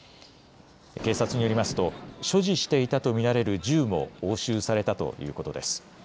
警察によりますと所持していたとみられる銃も押収されたということです。